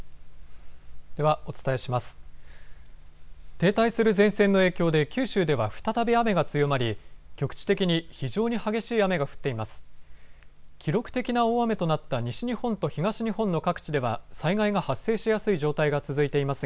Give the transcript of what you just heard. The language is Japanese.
停滞する前線の影響で九州では再び雨が強まり局地的に非常に激しい雨が降っています。